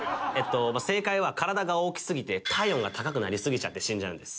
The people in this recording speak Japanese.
正解は体が大きすぎて体温が高くなりすぎちゃって死んじゃうんです。